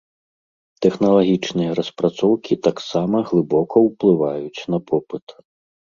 Тэхналагічныя распрацоўкі таксама глыбока ўплываюць на попыт.